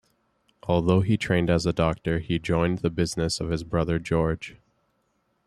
Although he trained as a doctor he joined the business of his brother George.